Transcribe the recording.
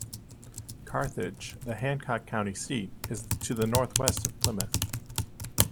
Carthage, the Hancock County seat, is to the northwest of Plymouth.